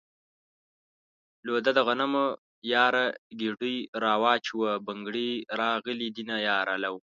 لو ده دغنمو ياره ګيډی را واچوه بنګړي راغلي دينه ياره لو